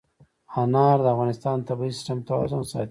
انار د افغانستان د طبعي سیسټم توازن ساتي.